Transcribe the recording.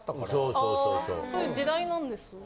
あそういう時代なんですね。